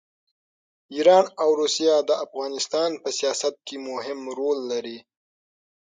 ایران او روسیه د افغانستان په سیاست کې مهم رول لري.